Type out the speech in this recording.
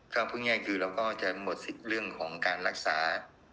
ข้อพึ่งแยกคือเราก็จะหมดเรื่องของการรักษา